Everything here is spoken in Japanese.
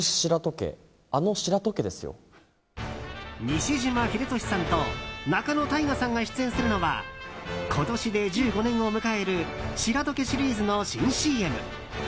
西島秀俊さんと仲野太賀さんが出演するのは今年で１５年を迎える白戸家シリーズの新ＣＭ。